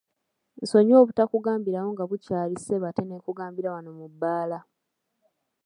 Nsonyiwa obutakugambirawo nga bukyali ssebo ate ne nkugambira wano mu bbaala.